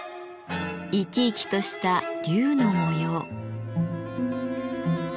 生き生きとした龍の模様。